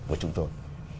với chúng tôi